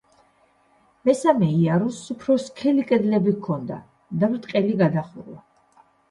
მესამე იარუსს უფრო სქელი კედლები ჰქონდა და ბრტყელი გადახურვა.